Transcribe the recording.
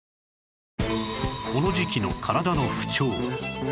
この時期の体の不調